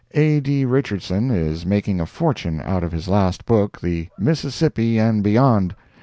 A. D. Richardson is making a fortune out of his last book, "The Mississippi and Beyond."